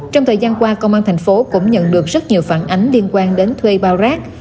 trong thời gian qua công an tp hcm cũng nhận được rất nhiều phản ánh liên quan đến thê bào rat